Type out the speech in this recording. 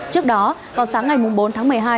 trước đó vào sáng ngày bốn tháng một mươi hai